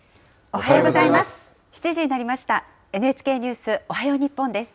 おはようございます。